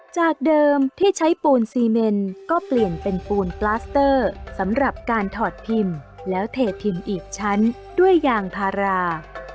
จากเดิมที่ใช้ปูนซีเมนก็เปลี่ยนเป็นปูนปลาสเตอร์สำหรับการถอดพิมพ์แล้วเทพิมพ์อีกชั้นด้วยยางพารา